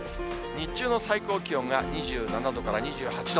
日中の最高気温が２７度から２８度。